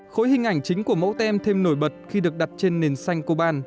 khối hình ảnh chính của mẫu tem thêm nổi bật khi được đặt trên nền xanh coban